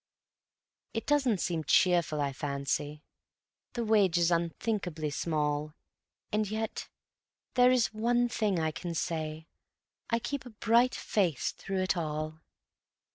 It doesn't seem cheerful, I fancy; The wage is unthinkably small; And yet there is one thing I can say: I keep a bright face through it all.